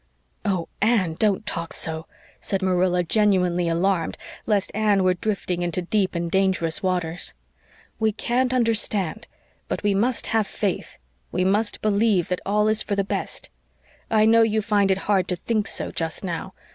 "Oh, Anne, don't talk so," said Marilla, genuinely alarmed lest Anne were drifting into deep and dangerous waters. "We can't understand but we must have faith we MUST believe that all is for the best. I know you find it hard to think so, just now.